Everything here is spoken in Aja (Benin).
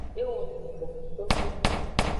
E wono do ngto.